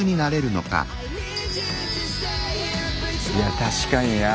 いや確かにな。